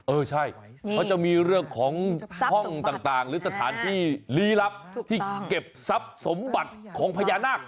เออใช่เขาจะมีเรื่องของห้องต่างหรือสถานที่ลี้ลับที่เก็บทรัพย์สมบัติของพญานาค